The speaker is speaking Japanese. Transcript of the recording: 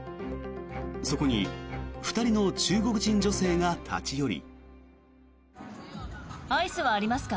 そこに２人の中国人女性が立ち寄り。